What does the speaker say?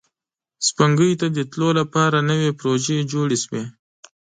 سپوږمۍ ته د تلو لپاره نوې پروژې جوړې شوې